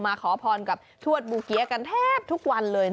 ขอพรกับทวดบูเกี๊ยกันแทบทุกวันเลย